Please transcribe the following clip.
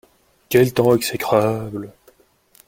Quel temps exécrable !